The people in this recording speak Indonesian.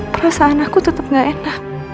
perasaan aku tetap gak enak